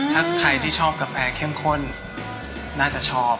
ถ้าใครที่ชอบกาแฟเข้มข้นน่าจะชอบ